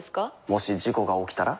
もし事故が起きたら？